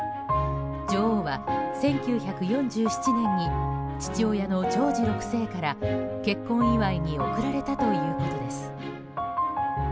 女王は１９４７年に父親のジョージ６世から結婚祝いに贈られたということです。